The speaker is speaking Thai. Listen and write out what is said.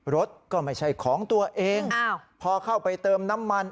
รถก็ไม่ใช่ของตัวเองพอเข้าไปเติมน้ำมัน